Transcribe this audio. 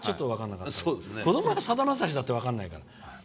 子供はさだまさしって分かんないから。